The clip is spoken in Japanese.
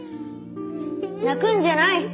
泣くんじゃない。